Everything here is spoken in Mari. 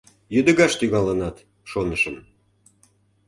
— Йӱдыгаш тӱҥалынат, шонышым!